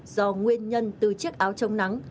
do nguyên nhân từ chiếc áo chống nắng